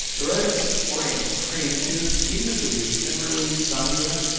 Gouraud's Oriental Cream cures Skin Diseases and relieves Sunburn.